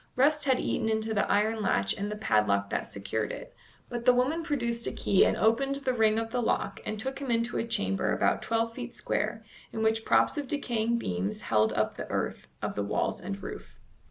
Rust had eaten into the iron latch and the padlock that secured it, but the woman produced a key and opened the ring of the lock and took him into a chamber about twelve feet square, in which props of decaying beams held up the earth of the walls and roof.